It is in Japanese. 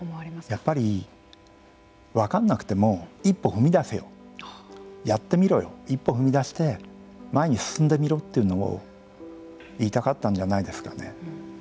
やっぱり分かんなくても一歩踏み出せよやってみろよ一歩踏み出して前に進んでみろっていうのを言いたかったんじゃないですかね。